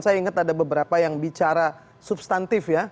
saya ingat ada beberapa yang bicara substantif ya